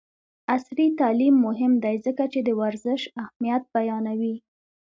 عصري تعلیم مهم دی ځکه چې د ورزش اهمیت بیانوي.